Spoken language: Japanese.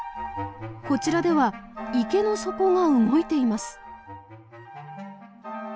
こちらでは池の底が動いています。